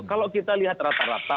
kalau kita lihat rata rata